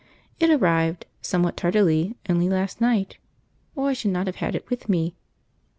It arrived, somewhat tardily, only last night, or I should not have had it with me.